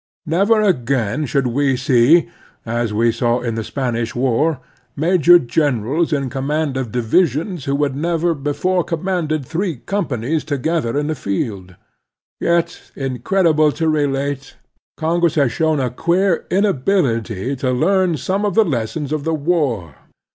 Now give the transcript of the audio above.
Never again should we see, as we saw in the Spanish war, major generals in command of divisions who had never before commanded three companies together in the field. Yet, incredible to relate. Congress has shown a queer inability to learn some of the lessons of the war.